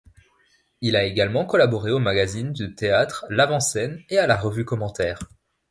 Il a également collaboré au magazine de théâtre l'Avant-Scène et à la revue Commentaire.